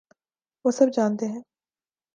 وہ سب جانتے ہیں۔